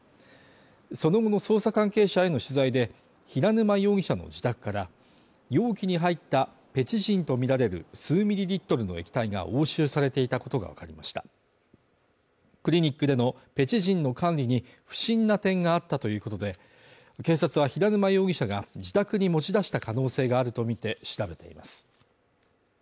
その後の捜査関係者への取材で平沼容疑者の自宅から容器に入ったペチジンとみられる数ミリリットルの液体が押収されていたことがわかりましたクリニックでのペチジンの管理に不審な点があったということで、警察は平沼容疑者が自宅に持ち出した可能性があるとみて調べています。